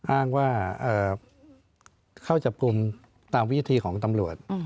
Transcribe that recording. อ้างว่าเข้าจับกลุ่มตามวิธีของตำรวจ